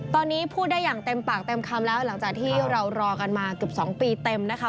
ตอนนี้พูดได้อย่างเต็มปากเต็มคำแล้วหลังจากที่เรารอกันมาเกือบ๒ปีเต็มนะคะ